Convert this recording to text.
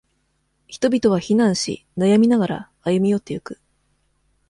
人々は非難し、悩みながら、歩み寄っていく。